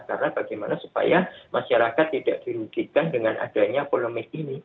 karena bagaimana supaya masyarakat tidak dirugikan dengan adanya polemik ini